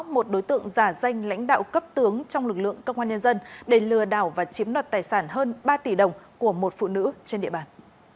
một đối tượng giả danh lãnh đạo cấp tướng trong lực lượng công an nhân dân để lừa đảo và chiếm đoạt tài sản hơn ba tỷ đồng của một phụ nữ trên địa bàn